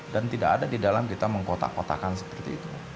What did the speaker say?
dan tidak ada di dalam kita mengkotak kotakan seperti itu